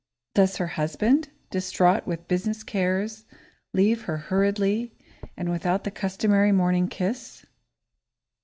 Does her husband, distraught with business cares, leave her hurriedly and without the customary morning kiss?